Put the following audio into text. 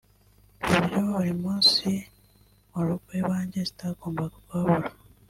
ku buryo buri munsi mu rugo iwanjye zitagomaga kuhabura